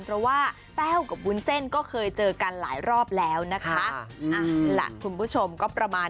เพราะว่าแต้วกับวุ้นเส้นก็เคยเจอกันหลายรอบแล้วนะคะ